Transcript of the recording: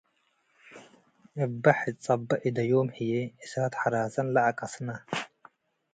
እበ ሕጸበ እደዮም ህዬ እሳት-ሐራሰን ለአቀስነ ።